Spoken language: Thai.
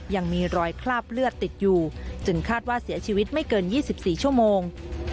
ยังมีรอยคราบเลือดติดอยู่จึงคาดว่าเสียชีวิตไม่เกิน๒๔ชั่วโมง